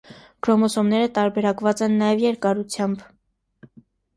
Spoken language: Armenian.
Քրոմոսոմները տարբերակված են նաև երկարությամբ։